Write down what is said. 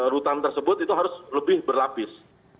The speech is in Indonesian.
rutan tersebut itu harus lebih berlapis